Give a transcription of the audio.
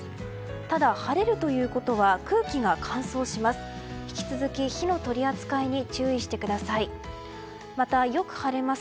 ただ、晴れるということは空気が乾燥します。